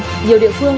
nhiều địa phương